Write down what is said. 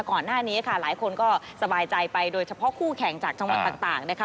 ก่อนหน้านี้ค่ะหลายคนก็สบายใจไปโดยเฉพาะคู่แข่งจากจังหวัดต่างนะคะ